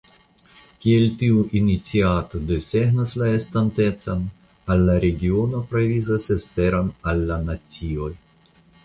Kiel tiu iniciato desegnas la estontecon al la regiono provizas esperon al la nacioj".